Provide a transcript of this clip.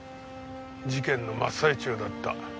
事件の真っ最中だった。